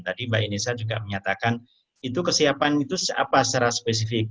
tadi mbak inesa juga menyatakan itu kesiapan itu apa secara spesifik